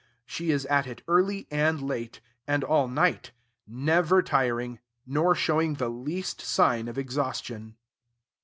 She is at it early and late, and all night; never tiring, nor showing the least sign of exhaustion.